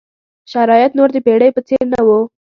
شرایط نور د پېړۍ په څېر نه وو.